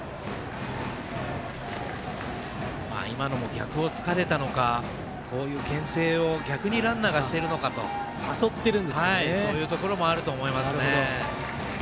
逆をつかれたのかこういうけん制を逆にランナーがしているのかと誘っているところもあると思います。